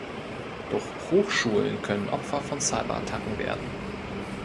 Doch Hochschulen können Opfer von Cyberattacken werden.